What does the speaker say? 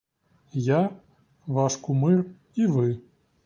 Я, ваш кумир і ви.